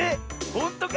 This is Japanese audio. ほんとか？